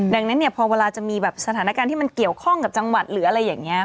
ดังนั้นเนี่ยพอเวลาจะมีแบบสถานการณ์ที่มันเกี่ยวข้องกับจังหวัดหรืออะไรอย่างนี้